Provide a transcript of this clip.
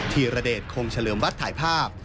ที่ระเด็ดคงเฉลิมบัตรถ่ายภาพ